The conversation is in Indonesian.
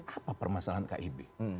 apa permasalahan kib